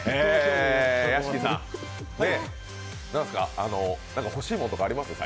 屋敷さん、なんすか欲しいものとか、ありますか？